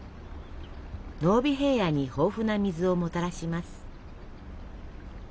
濃尾平野に豊富な水をもたらします。